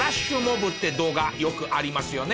ブって動画よくありますよね。